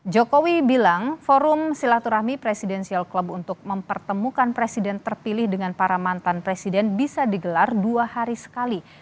jokowi bilang forum silaturahmi presidensial club untuk mempertemukan presiden terpilih dengan para mantan presiden bisa digelar dua hari sekali